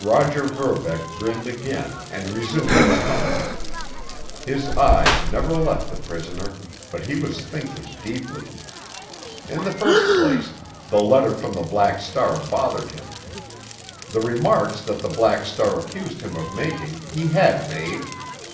Roger Verbeck grinned again and resumed his humming. His eyes never left the prisoner, but he was thinking deeply. In the first place, the letter from the Black Star bothered him. The remarks that the Black Star accused him of making he had made.